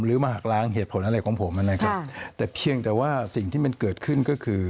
มาหักล้างเหตุผลอะไรของผมนะครับแต่เพียงแต่ว่าสิ่งที่มันเกิดขึ้นก็คือ